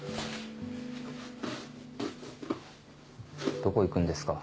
どこ行くんですか？